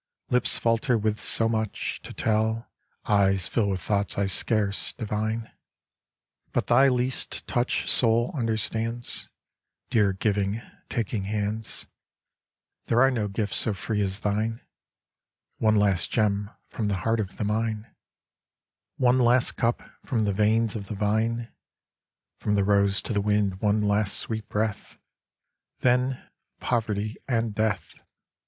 Lips falter with so much To tell, eyes fill with thoughts I scarce divine, But thy least touch Soul understands. Dear giving, taking hands, There are no gifts so free as thine. One last gem from the heart of the mine, One last cup from the veins of the vine, From the rose to the wind one last sweet breath, Then poverty, and death!